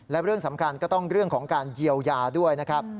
และเรื่องสำคัญก็ต้องเรื่องของการเยียวยาด้วยนะครับ